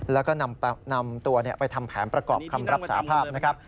แล้วก็นำตัวไปทำแผนประกอบคำรับสาภาพนะครับ